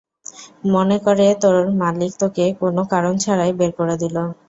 মনে করে তোর মালিক তোকে কোনো কারণ ছাড়াই বের করে দিলো।